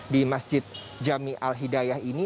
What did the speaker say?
di masjid jami al hidayah ini